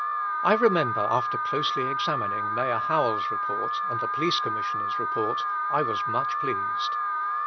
I remember after closely examining Mayor Howell's report and the Police Commissioner's report I was much pleased.